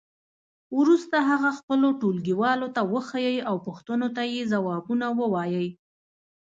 وروسته هغه خپلو ټولګیوالو ته وښیئ او پوښتنو ته یې ځوابونه ووایئ.